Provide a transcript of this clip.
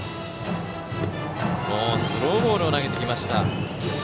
スローボールを投げてきました。